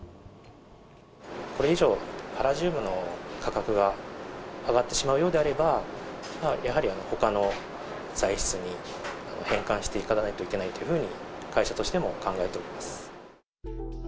これ以上、パラジウムの価格が上がってしまうようであれば、やはりほかの材質に変換していかないといけないというふうに会社としても考えております。